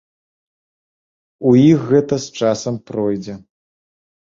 У іх гэта з часам пройдзе.